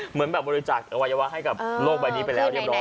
เหมือนแบบบริจาคอวัยวะให้กับโลกใบนี้ไปแล้วเรียบร้อย